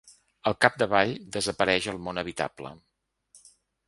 Al capdavall, desapareix el món habitable.